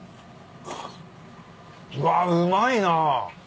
うわうまいな。